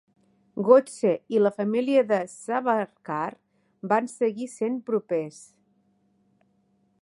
Godse i la família de Savarkar van seguir sent propers.